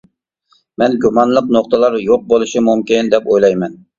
مەن گۇمانلىق نۇقتىلار يوق بولۇشى مۇمكىن دەپ ئويلايمەن.